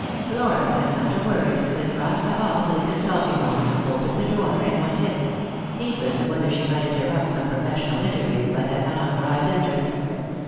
Flora said not a word, but crossed the hall to the consulting room, opened the door, and went in ; heedless of whether she might interrupt some professional interview by that unauthor ized entrance.